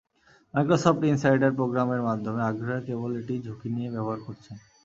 Microsoft Insider প্রোগ্রামের মাধ্যমে আগ্রহীরা কেবল এটি ঝুঁকি নিয়ে ব্যবহার করছেন।